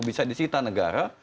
bisa disita negara